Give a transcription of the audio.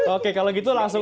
oke kalau gitu langsung